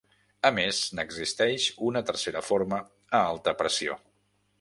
A més, n'existeix una tercera forma a alta pressió.